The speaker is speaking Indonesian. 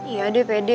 iya deh pede